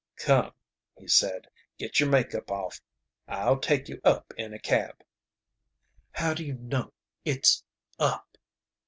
"Come," he said, "get your make up off. I'll take you up in a cab." "How do you know it's up?"